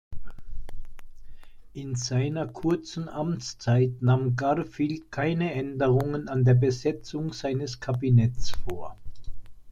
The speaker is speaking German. In seiner kurzen Amtszeit nahm Garfield keine Änderungen an der Besetzung seines Kabinetts vor.